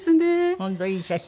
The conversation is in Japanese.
本当いい写真。